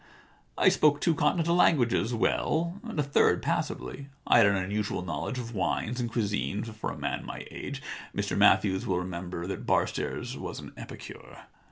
I spoke two Continental lan guages well and a third passably, I had an unusual knowledge of wines and cuisine for a man of my age. (Mr Matthews will remember that Barstairs was an epicure.)